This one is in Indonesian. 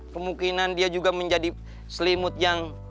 kemungkinan dia juga menjadi selimut yang